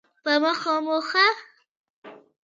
په مخه مو ښه؟